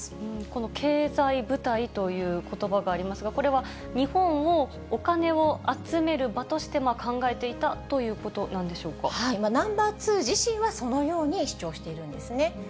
この経済部隊ということばがありますが、これは日本をお金を集める場として考えていたということなんでしナンバー２自身は、そのように主張しているんですね。